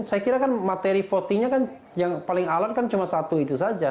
saya kira kan materi votingnya kan yang paling alat kan cuma satu itu saja